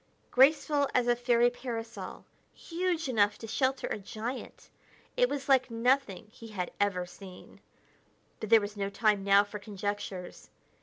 Graceful as a fairy parasol, huge enough to shelter a giant, it was like nothing he had ever seen. But there was no time now for conjectures.